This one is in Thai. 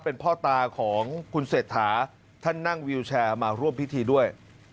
เป็นพ่อตาของคุณเศรษฐาท่านนั่งวิวแชร์มาร่วมพิธีด้วย